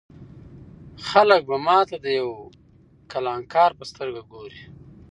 خلک به ما ته د یو کلانکار په سترګه ګوري.